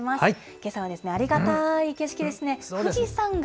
けさはありがたい景色ですね。